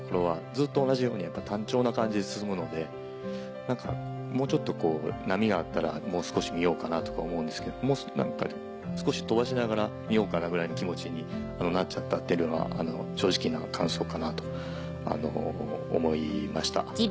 ずっと同じようにやっぱ単調な感じで進むのでもうちょっと波があったらもう少し見ようかなとか思うんですけど少しとばしながら見ようかなぐらいの気持ちになっちゃったってのは正直な感想かなと思いました。